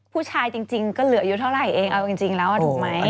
ผู้ชายจริงก็เหลืออายุเท่าไหร่เองเอาจริงแล้วถูกไหม